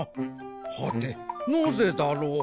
はてなぜだろう？